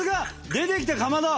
出てきたかまど！